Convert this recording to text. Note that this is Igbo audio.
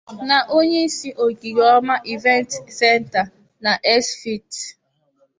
na onyeisi ogige Oma Event Centre na X-Fit